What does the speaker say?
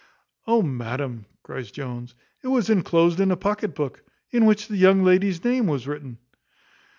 "Oh, madam," cries Jones, "it was enclosed in a pocket book, in which the young lady's name was written."